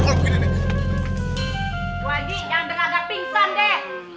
gua aja jangan dengar dengar pingsan deh